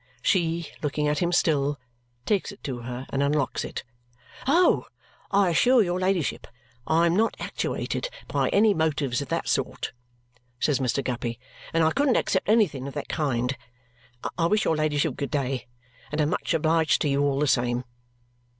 She, looking at him still, takes it to her and unlocks it. "Oh! I assure your ladyship I am not actuated by any motives of that sort," says Mr. Guppy, "and I couldn't accept anything of the kind. I wish your ladyship good day, and am much obliged to you all the same."